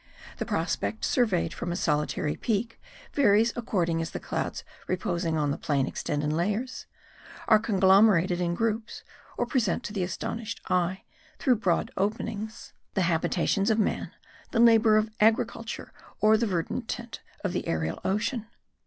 The prospect surveyed from a solitary peak varies according as the clouds reposing on the plain extend in layers, are conglomerated in groups, or present to the astonished eye, through broad openings, the habitations of man, the labour of agriculture, or the verdant tint of the aerial ocean.